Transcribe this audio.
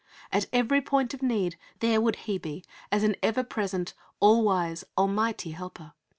At every point of need there would He be as an ever present and all wise, almighty Helper.